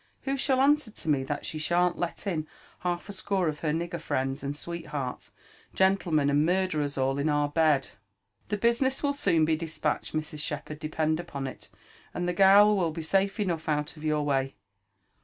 Who shall answer to me (hat she shan't let in half a score of her nigger friends and sweethearts, gentleman, and murder us all in our beds ?"" The business will soon be despatched, Mrs. Shepherd, depend upon it, and the gal will be safe enough out o( your way.